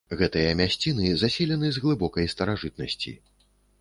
Гэтыя мясціны заселены з глыбокай старажытнасці.